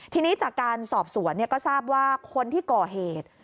ทีนี้จากการสอบสวนก็ทราบว่าคนที่ก่อเหตุ